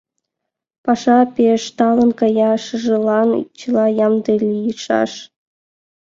Паша пеш талын кая, шыжылан чыла ямде лийшаш.